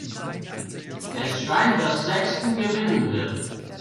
Es scheint, dass Sexton gewinnen wird.